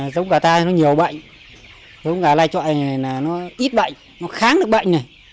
giống gà ta nó nhiều bệnh giống gà lai trọi này nó ít bệnh nó kháng được bệnh này